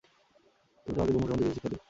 আমি তোমাকে ব্রহ্ম সম্বন্ধে কিছু শিক্ষা দিব।